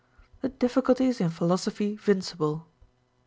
The Difficulties in Philosophy vincible.